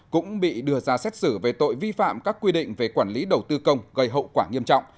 cũng bị đưa ra xét xử về tội vi phạm các quy định về quản lý đầu tư công gây hậu quả nghiêm trọng